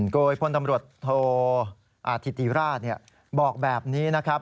โดยพลตำรวจโทอาธิติราชบอกแบบนี้นะครับ